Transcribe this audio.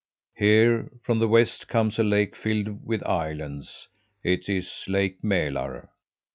Here, from the west, comes a lake filled with islands: It is Lake Mälar.